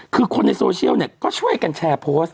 คือคนในโซเชียลเนี่ยก็ช่วยกันแชร์โพสต์